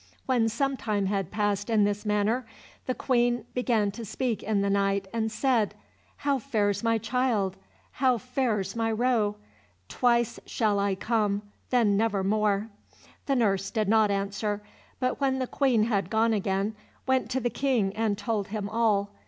When some time had passed in this manner, the Queen began to speak in the night, and said— "How fares my child, how fares my roe? Twice shall I come, then never more." The nurse did not answer, but when the Queen had gone again, went to the King and told him all.